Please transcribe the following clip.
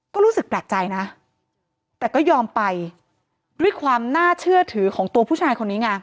ก็รู้สึกแปลกใจนะแต่ก็ยอมไปด้วยความน่าเชื่อถือของตัวผู้ชายคนนี้ไง